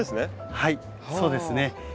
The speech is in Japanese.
はいそうですね。